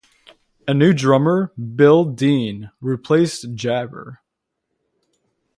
A new drummer, Bill Dean, replaced Jaber.